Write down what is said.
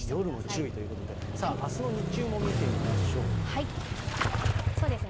夜も注意ということで、さあ、あすの日中も見てみましょう。